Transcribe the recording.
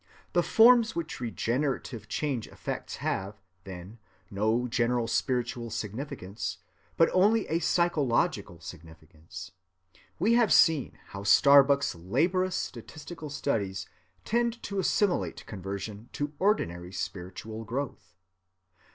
The forms which regenerative change effects have, then, no general spiritual significance, but only a psychological significance. We have seen how Starbuck's laborious statistical studies tend to assimilate conversion to ordinary spiritual growth.